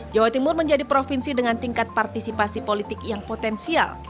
jawa timur menjadi provinsi dengan tingkat partisipasi politik yang potensial